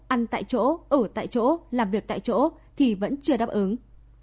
ăn tại chỗ ở tại chỗ làm việc tại chỗ thì vẫn chưa đáp ứng